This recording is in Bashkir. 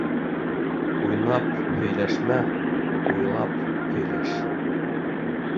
Уйнап һөйләшмә, уйлап һөйләш.